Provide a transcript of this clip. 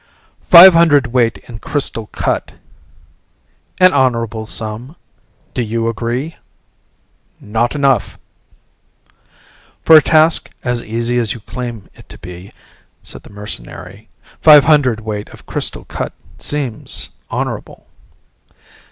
"Five hundredweight in crystal cut." "An honorable sum. Do you agree?" "Not enough " "For a task as easy as you claim it to be," said the mercenary, "Five hundredweight of crystal cut seems honorable."